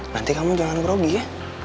nanti kamu jangan merogi ya